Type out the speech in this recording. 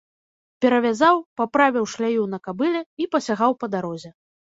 Перавязаў, паправіў шляю на кабыле і пасягаў па дарозе.